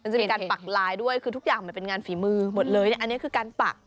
จะมีการปักลายด้วยคือทุกอย่างมันเป็นงานฝีมือหมดเลยอันนี้คือการปัก